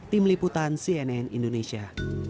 tim liputan cnn indonesia